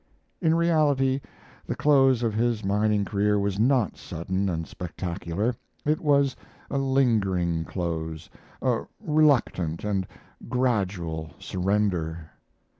In reality the close of his mining career was not sudden and spectacular; it was a lingering close, a reluctant and gradual surrender.